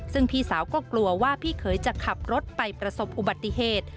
ซึ่งพี่สาวก็กลัวว่าพี่เขยจะขับรถไปประสบอุบัติเหตุ